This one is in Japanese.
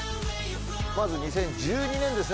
まず２０１２年ですね。